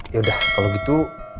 yaudah kalau gitu